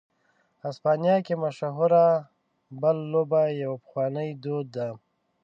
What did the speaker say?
اسپانیا کې مشهوره "بل" لوبه یو پخوانی دود دی.